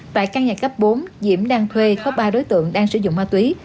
tại căn nhà cấp bốn diễm đang thuê có ba đối tượng đang sử dụng ma túy